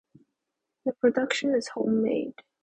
The production is homemade.